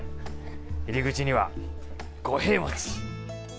入り口には五平餅。